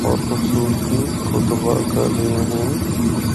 ہور خوبصورتی کو تبّاہ کر رہیاں ہن۔